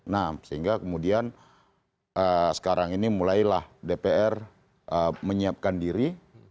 nah sehingga kemudian sekarang ini mulailah dpr menyiapkan diri